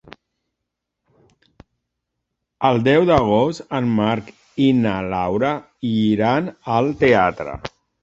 El deu d'agost en Marc i na Laura iran al teatre.